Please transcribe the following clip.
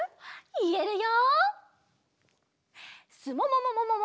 いえるよ！